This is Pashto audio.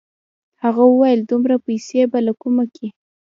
هغه وويل دومره پيسې به له کومه کې.